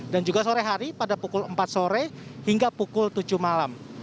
dan juga sore hari pada pukul empat sore hingga pukul tujuh malam